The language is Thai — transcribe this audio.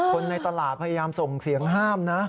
คนในตลาดพยายามส่งเสียงห้ามนะ